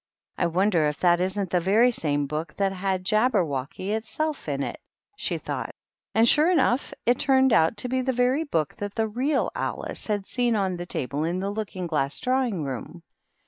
" I wonder if that isn't the very same book that had * Jabber wocky' itself in it," she thought. And sure enough, it turned out to be the very book that 20 230 THE MOCK TURTLE. the "real Alice" had seen on the table m th< Looking Glass drawing room.